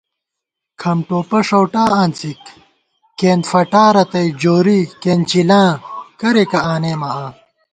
کھمٹوپہ ݭؤٹا آنڅِک، کېئینت فٹا رتئ جوری کېنچِلاں کریَکہ آنېمہ آں